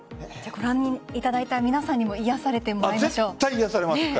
ご覧いただいた皆さんにも癒やされてもらいましょう。